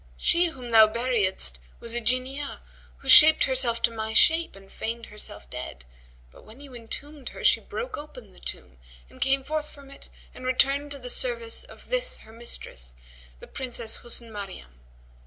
She whom thou buriedst was a Jinniyah, who shaped herself to my shape and feigned herself dead; but when you entombed her she broke open the tomb and came forth from it and returned to the service of this her mistress, the Princess Husn Maryam.